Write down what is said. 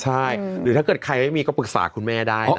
ใช่หรือถ้าเกิดใครไม่มีก็ปรึกษาคุณแม่ได้นะ